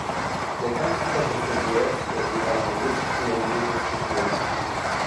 Der Kanzelkorb ist mit Reliefs der Evangelisten und Jesus geschmückt.